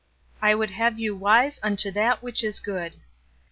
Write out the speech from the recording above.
"I would have you wise unto that which is good."